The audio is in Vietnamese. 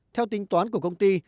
theo tính toán của công ty